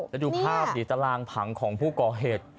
แล้วดูภาพดิตารางผังของผู้ก่อเหตุ